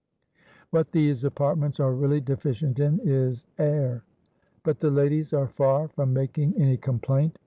What these apartments are really deficient in is air; but the ladies are far from making any complaint.